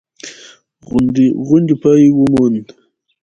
غونډې پای وموند.